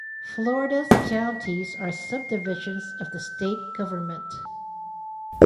Florida's counties are subdivisions of the state government.